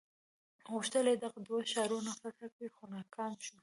غوښتل یې دغه دوه ښارونه فتح کړي خو ناکام شو.